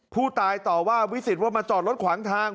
ผู้ตายต่อว่าวิสิตว่ามาจอดรถขวางทาง